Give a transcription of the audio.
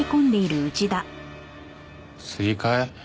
すり替え？